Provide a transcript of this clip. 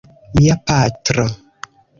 Mia patro.